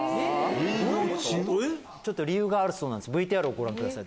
理由があるそうなんですＶＴＲをご覧ください